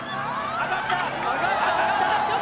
上がった！